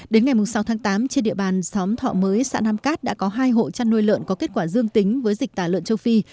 đến ngày sáu tháng tám trên địa bàn xóm thọ mới xã nam cát đã có hai hộ chăn nuôi lợn có kết quả dương tính với dịch tả lợn châu phi